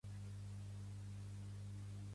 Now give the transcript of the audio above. Pertany al moviment independentista la Dona?